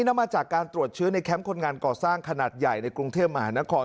นำมาจากการตรวจเชื้อในแคมป์คนงานก่อสร้างขนาดใหญ่ในกรุงเทพมหานคร